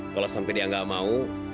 kalau sampai dia nggak mau